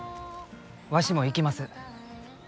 わしも行きます。